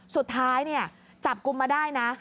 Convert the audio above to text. สุดท้ายเนี่ยจับกุมมาได้นะ